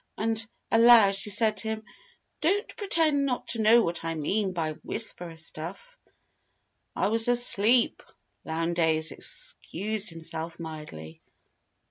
And aloud she said to him: "Don't pretend not to know what I mean by 'Whisperer' stuff." "I was asleep," Lowndes excused himself, mildly.